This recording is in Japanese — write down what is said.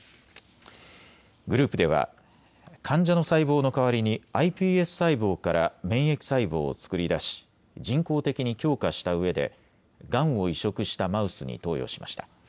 グループでは、患者の細胞の代わりにｉＰＳ細胞から免疫細胞を作り出し人工的に強化したうえでがんを移植したマウスに投与しました。